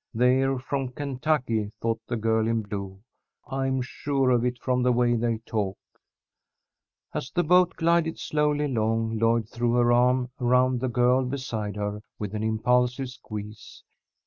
"They're from Kentucky," thought the girl in blue. "I'm sure of it from the way they talk." As the boat glided slowly along, Lloyd threw her arm around the girl beside her, with an impulsive squeeze.